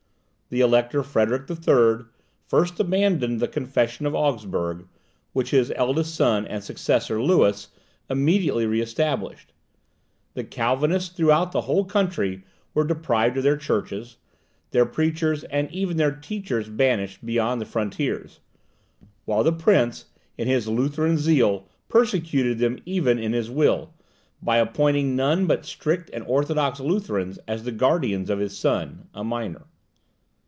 The Elector Frederick III. first abandoned the confession of Augsburg, which his eldest son and successor, Lewis, immediately re established. The Calvinists throughout the whole country were deprived of their churches, their preachers and even their teachers banished beyond the frontiers; while the prince, in his Lutheran zeal, persecuted them even in his will, by appointing none but strict and orthodox Lutherans as the guardians of his son, a minor.